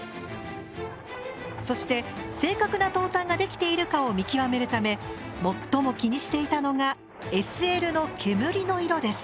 そして正確な投炭ができているかを見極めるため最も気にしていたのがＳＬの煙の色です。